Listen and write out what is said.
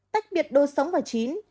tách biệt đồ sống và chín